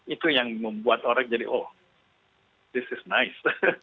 itu yang membuat orang jadi oh this is nice